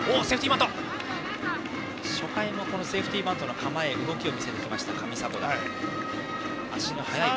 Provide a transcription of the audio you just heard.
初回もセーフティーバントの構え、動きを見せた上迫田です。